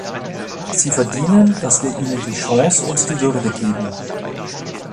Sie verdienen, dass wir ihnen die Chance und die Würde geben.